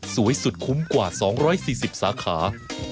สวยสุดคุ้มกว่า๒๔๐สาขา